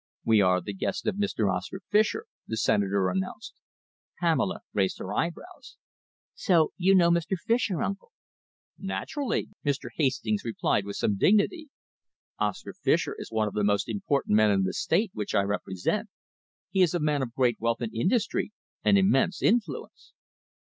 "We are the guests of Mr. Oscar Fischer," the Senator announced. Pamela raised her eyebrows. "So you know Mr. Fischer, uncle?" "Naturally," Mr. Hastings replied, with some dignity. "Oscar Fischer is one of the most important men in the State which I represent. He is a man of great wealth and industry and immense influence."